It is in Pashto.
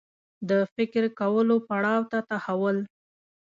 د فکر کولو پړاو ته تحول